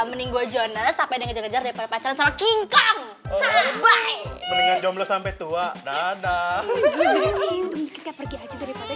mending gue jualan sampai dengan jejak jejak repot sama king kong sampai tua tua dari pada